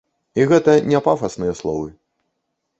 І гэта не пафасныя словы.